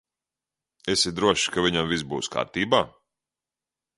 Esi drošs, ka viņam viss būs kārtībā?